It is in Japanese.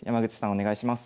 お願いします。